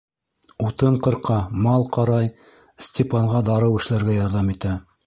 Утын ҡырҡа, мал ҡарай, Степанға дарыу эшләргә ярҙам итә.